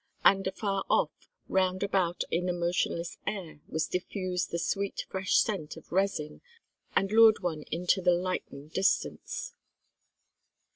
And afar off round about in the motionless air was diffused the sweet, fresh scent of resin, and lured one into the lightening distance.